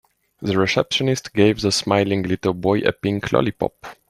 The receptionist gave the smiling little boy a pink lollipop.